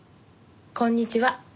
こんにちは。